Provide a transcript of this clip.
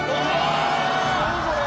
何これ。